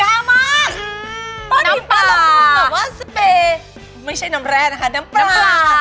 ป้าพิมพ์ประหลังคุณแบบว่าสเปรย์ไม่ใช่น้ำแร่นะคะน้ำปลา